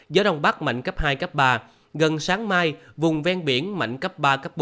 gió đông bắc mạnh cấp hai ba gần sáng mai vùng ven biển mạnh cấp ba bốn